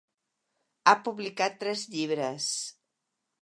Ha publicat tres llibres.